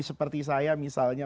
seperti saya misalnya